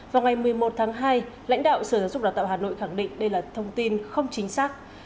vào ngày một mươi một tháng hai lãnh đạo sở giáo dục đào tạo hà nội khẳng định đây là thông tin không chính xác